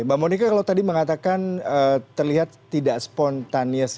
mbak monika kalau tadi mengatakan terlihat tidak spontanis